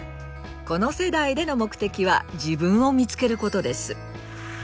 この世代での目的は“自分を見つける”ことです。